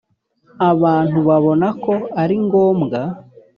abantu babona ko ari ngombwa